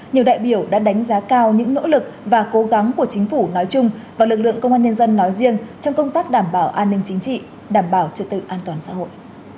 nhiều đại biểu đã đánh giá cao những nỗ lực và cố gắng của chính phủ nói chung và lực lượng công an nhân dân nói riêng trong công tác đảm bảo an ninh chính trị đảm bảo trật tự an toàn xã hội